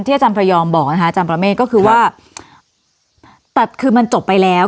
อาจารย์พระยอมบอกนะคะอาจารย์ประเมฆก็คือว่าแต่คือมันจบไปแล้ว